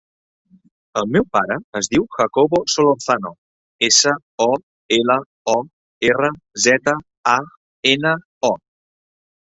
El meu pare es diu Jacobo Solorzano: essa, o, ela, o, erra, zeta, a, ena, o.